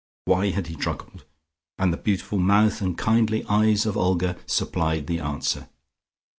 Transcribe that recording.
Why had he truckled? And the beautiful mouth and kindly eyes of Olga supplied the answer.